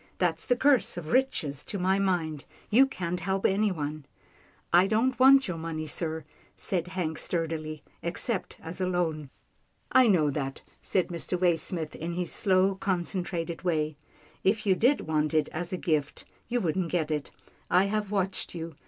That's the curse of riches to my mind. You can't help anyone." 262 'TILDA JANE'S ORPHANS " I don't want your money, sir," said Hank stur dily, " except as a loan." " I know that," said Mr. Waysmith in his slow, concentrated way, " if you did want it as a gift, you wouldn't get it. I have watched you.